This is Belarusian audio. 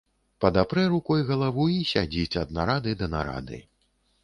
Падапрэ рукой галаву і сядзіць ад нарады да нарады.